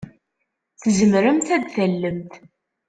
Tzemremt ad d-tallemt.